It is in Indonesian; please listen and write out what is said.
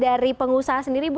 dari pengusaha sendiri bu